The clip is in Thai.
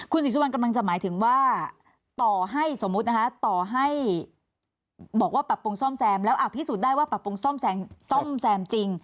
ศรีสุวรรณกำลังจะหมายถึงว่าต่อให้สมมุตินะคะต่อให้บอกว่าปรับปรุงซ่อมแซมแล้วพิสูจน์ได้ว่าปรับปรุงซ่อมแซมจริง